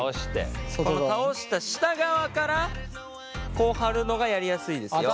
この倒した下側からこう貼るのがやりやすいですよ。